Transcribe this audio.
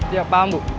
iya paham bu